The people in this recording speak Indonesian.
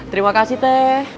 terima kasih teh